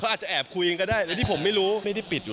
เค้าอาจจะแอบคุยกันได้แต่ที่ผมไม่รู้